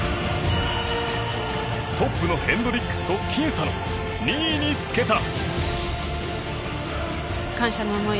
トップのヘンドリックスときん差の２位につけた。